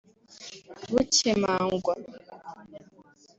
bukemangwa